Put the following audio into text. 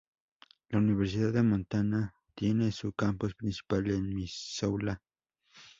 La Universidad de Montana tiene su campus principal en Missoula.